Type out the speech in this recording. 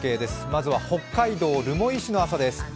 まずは、北海道留萌市の朝です。